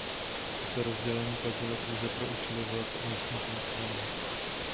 Toto rozdělení platilo pouze pro účely voleb a místní samosprávy.